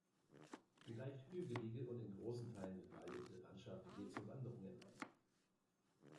Die leicht hügelige und in großen Teilen bewaldete Landschaft lädt zu Wanderungen ein.